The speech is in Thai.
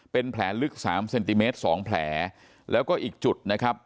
เป็นแผลลึกสามเซนติเมตรสองแผลแล้วก็อีกจุดนะครับ